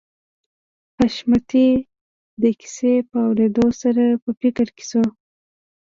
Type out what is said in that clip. حشمتي د کيسې په اورېدو سره په فکر کې شو